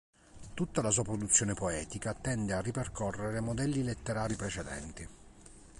Tutta la sua produzione poetica tende a ripercorrere modelli letterari precedenti.